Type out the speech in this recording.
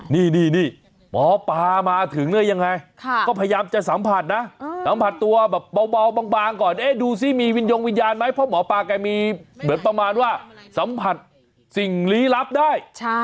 นี่นี่หมอปลามาถึงเลยยังไง